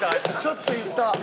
ちょっと言った。